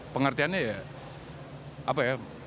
pengertiannya ya apa ya